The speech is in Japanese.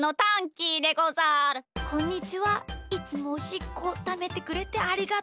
いつもおしっこためてくれてありがとう。